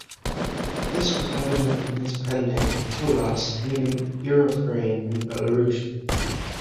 This was evident in his pen name 'Kolas', meaning 'ear of grain' in Belarusian.